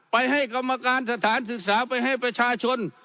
ไปให้กรรมการสถานศึกษาไปให้ประชาชน